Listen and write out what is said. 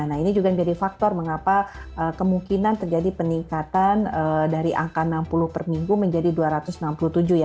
nah ini juga menjadi faktor mengapa kemungkinan terjadi peningkatan dari angka enam puluh per minggu menjadi dua ratus enam puluh tujuh ya